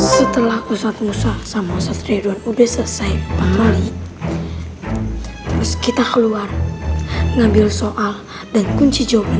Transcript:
setelah kusat musah sama ustadz ridwan udah selesai pemuliin kita keluar ngambil soal dan kunci jawaban